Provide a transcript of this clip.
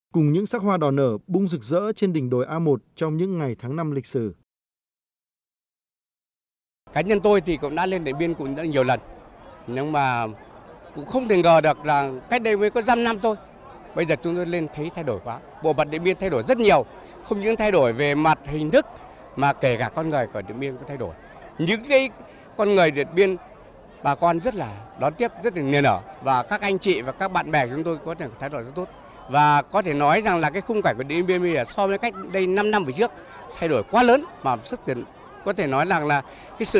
cùng những sắc hoa đỏ nở bung rực rỡ trên đỉnh đồi a một trong những ngày tháng năm lịch sử